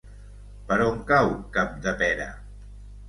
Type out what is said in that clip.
Per on cau Capdepera?